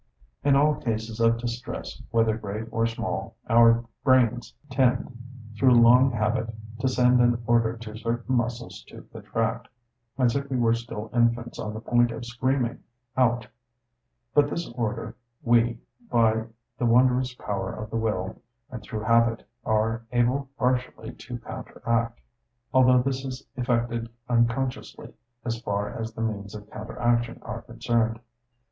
In all cases of distress, whether great or small, our brains tend through long habit to send an order to certain muscles to contract, as if we were still infants on the point of screaming out; but this order we, by the wondrous power of the will, and through habit, are able partially to counteract; although this is effected unconsciously, as far as the means of counteraction are concerned.